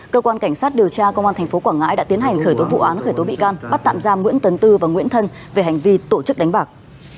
cơ quan cảnh sát điều tra công an tp quảng ngãi đã tiến hành khởi tố vụ án khởi tố bị can bắt tạm giam nguyễn tấn tư và nguyễn thân về hành vi tổ chức đánh bạc